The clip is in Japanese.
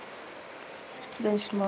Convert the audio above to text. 失礼します。